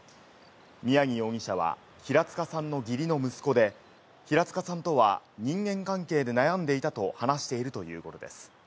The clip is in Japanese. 宮城容疑者は平塚さんの義理の息子で、平塚さんとは人間関係で悩んでいたと話しているということです。